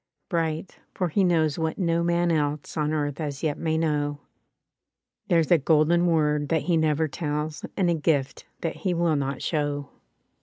Bright, for he knows what no man else On earth as yet may know: There's a golden word that he never tells. And a gift that he will not show.